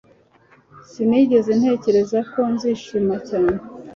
Sinigeze ntekereza ko nzishima cyane